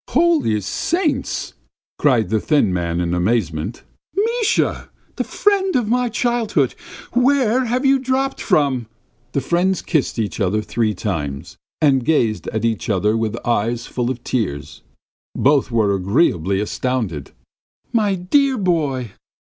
"Holy saints!" cried the thin man in amazement. "Misha! The friend of my childhood! Where have you dropped from?" The friends kissed each other three times, and gazed at each other with eyes full of tears. Both were agreeably astounded. "My dear boy!"